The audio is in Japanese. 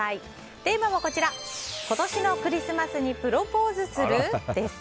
テーマは、今年のクリスマスにプロポーズする？です。